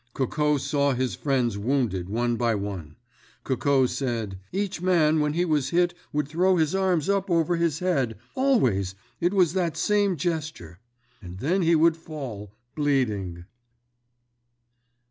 Coco saw his friends wounded one by one. Coco said: "Each man when he was hit would throw his arms up over his head—always, it was that same gesture—and then he would fall, bleeding."